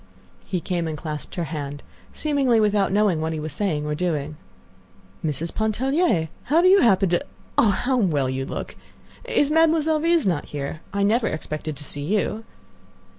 He came and clasped her hand, seemingly without knowing what he was saying or doing. "Mrs. Pontellier! How do you happen—oh! how well you look! Is Mademoiselle Reisz not here? I never expected to see you."